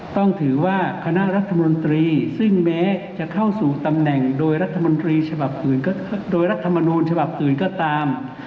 ต้องถือว่ารัฐมนตรีซึ่งแม้จะเข้าสู่ตำแหน่งโดยรัฐมนูลฉบับอื่นก็ตาม